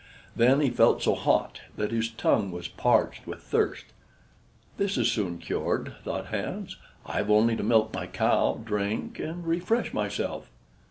Then he felt so hot that his tongue was parched with thirst. "This is soon cured," thought Hans. "I have only to milk my cow, drink, and refresh myself."